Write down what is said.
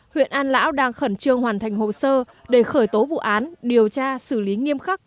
huyện an lão đang khẩn trương hoàn thành hồ sơ để khởi tố vụ án điều tra xử lý nghiêm khắc